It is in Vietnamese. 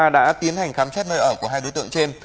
đã tiến hành khám xét nơi ở của hai đối tượng trên